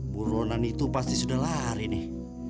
bu ronan itu pasti sudah lari nih